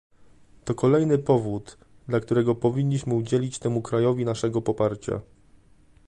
To kolejny powód, dla którego powinniśmy udzielić temu krajowi naszego poparcia